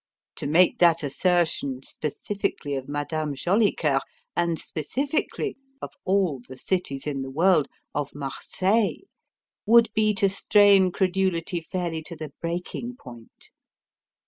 To make that assertion specifically of Madame Jolicoeur, and specifically of all cities in the world! of Marseille, would be to strain credulity fairly to the breaking point.